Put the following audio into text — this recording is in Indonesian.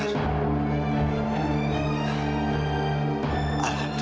apapun apa saja aqui